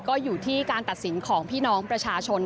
ก็อยู่ที่การตัดสินของพี่น้องประชาชน